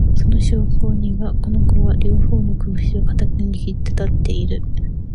その証拠には、この子は、両方のこぶしを固く握って立っている